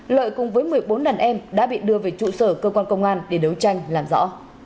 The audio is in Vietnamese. lợi cùng với một mươi bốn đàn em đã bị đưa về trụ sở cơ quan công an để đấu tranh làm rõ